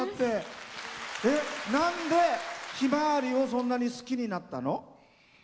なんで、ひまわりをそんなに好きになったの？